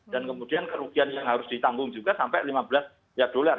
kemudian kerugian yang harus ditanggung juga sampai lima belas dollar